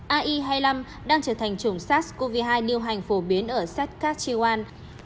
ai hai mươi năm đang trở thành chủng sars cov hai điều hành phổ biến ở saskatchewan